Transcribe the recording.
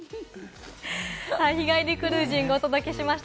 日帰りクルージングをお届けしました。